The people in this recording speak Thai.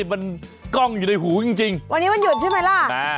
มันกล้องอยู่ในหูจริงวันนี้วันหยุดใช่ไหมล่ะ